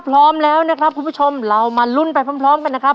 พร้อมแล้วนะครับคุณผู้ชมเรามาลุ้นไปพร้อมกันนะครับ